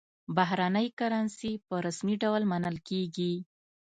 بهرنۍ کرنسي په رسمي ډول منل کېږي.